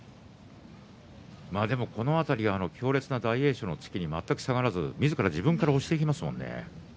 このあたり強烈な大栄翔の突きに全く下がらずみずから押していきましたね。